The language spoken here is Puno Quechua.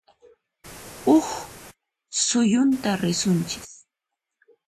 Huq suyutan risunchis